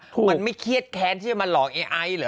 มันไม่เครียดแค้นที่จะมาหลอกไอ้ไอเหรอ